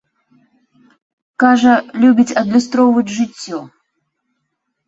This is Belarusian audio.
Кажа, любіць адлюстроўваць жыццё.